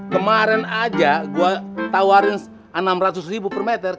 kemarin aja gue tawarin enam ratus ribu per meter